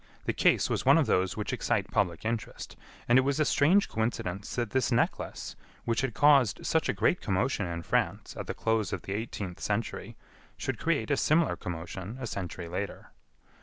The case was one of those which excite public interest, and it was a strange coincidence that this necklace, which had caused such a great commotion in France at the close of the eighteenth century, should create a similar commotion a century later.